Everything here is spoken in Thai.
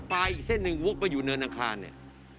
อีกเส้นหนึ่งวกไปอยู่เนินอังคารเนี่ย